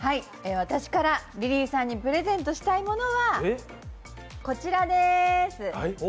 私からリリーさんにプレゼントしたいものはこちらです。